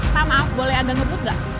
pak maaf boleh agak ngebut gak